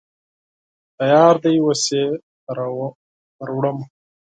_تيار دی، اوس يې دروړم.